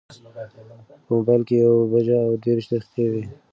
په مبایل کې یوه بجه او دېرش دقیقې وې.